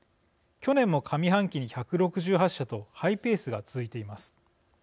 去年も上半期に１６８社とハイペースが続いています。